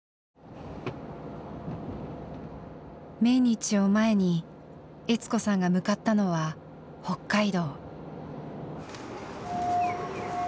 命日を前に悦子さんが向かったのは北海道。